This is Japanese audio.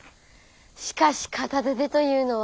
しかし片手でというのは。